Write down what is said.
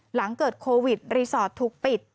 หลังเกิดโควิดรีสอร์ทถูกปิด